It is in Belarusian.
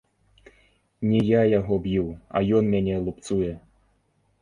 Не я яго б'ю, а ён мяне лупцуе.